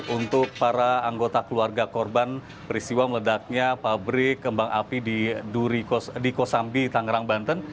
untuk para anggota keluarga korban peristiwa meledaknya pabrik kembang api di kosambi tangerang banten